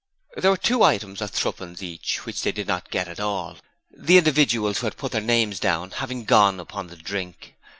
There were two items of threepence each which they did not get at all, the individuals who had put their names down having gone upon the drunk.